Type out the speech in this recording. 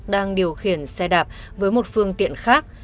đang điều khiển xe đạp với một phương tiện khác